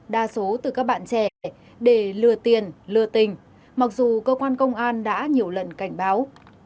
đa số từ các bạn trẻ để lừa tiền lừa tình mặc dù cơ quan công an đã nhiều lần cảnh báo